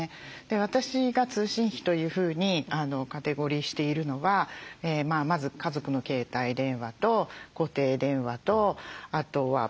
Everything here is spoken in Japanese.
私が通信費というふうにカテゴリーしているのはまず家族の携帯電話と固定電話とあとはプロバイダー料金と